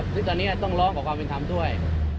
ซึ่งตอนนี้ต้องร้องขอความเป็นธรรมด้วย